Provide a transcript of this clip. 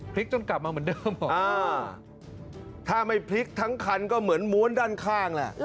จนกลับมาเหมือนเดิมถ้าไม่พลิกทั้งคันก็เหมือนม้วนด้านข้างแหละ